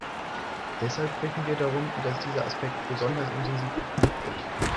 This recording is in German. Deshalb bitten wir darum, dass dieser Aspekt besonders intensiv geprüft wird.